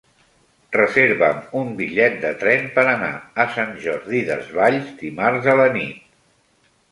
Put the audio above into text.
Reserva'm un bitllet de tren per anar a Sant Jordi Desvalls dimarts a la nit.